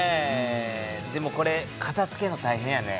でもこれかたづけるの大変やね。